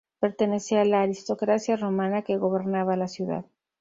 Pertenecía a la aristocracia romana que gobernaba la ciudad.